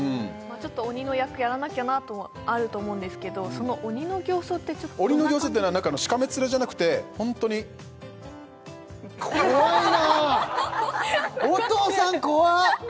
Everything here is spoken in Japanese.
ちょっと鬼の役やらなきゃなとあると思うんですけどその鬼の形相ってどんな感じ鬼の形相ってしかめっ面じゃなくてホントに怖いなお父さん怖っ